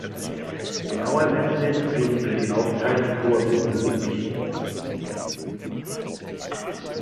Genaue Messungen liegen für die Aufteilung hoher Vermögen nicht vor.